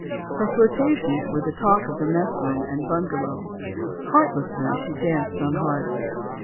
Her flirtations were the talk of mess room and bung alow. Heartlessly, she danced on hearts.